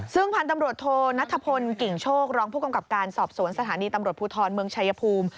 ซึ่งพันธุ์ตำรวจโทนัทพลกิ่งโชครองผู้กำกับการสอบสวนสถานีตำรวจภูทรเมืองชายภูมิ